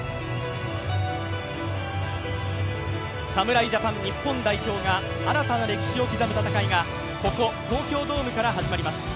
侍ジャパン日本代表が新たな歴史を刻む戦いがここ東京ドームから始まります。